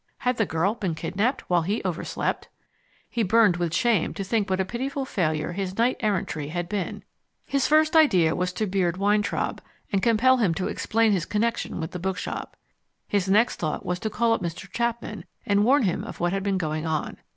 Had the girl been kidnapped while he overslept? He burned with shame to think what a pitiful failure his knight errantry had been. His first idea was to beard Weintraub and compel him to explain his connection with the bookshop. His next thought was to call up Mr. Chapman and warn him of what had been going on.